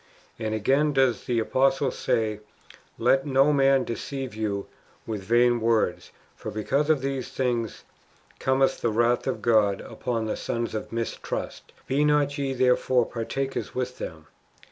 And again does the apostle say, " Let no man deceive you with vain words ; for because of these things cometh the wrath of God upon the sons of mistrust. Be not ye therefore partakers with them."